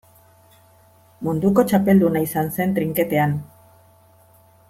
Munduko txapelduna izan zen trinketean.